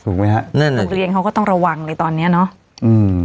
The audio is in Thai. ไหมฮะแน่นอนโรงเรียนเขาก็ต้องระวังเลยตอนเนี้ยเนอะอืม